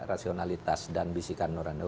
rasionalitas dan bisikan nurani